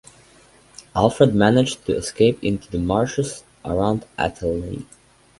Alfred managed to escape into the marshes around Athelney.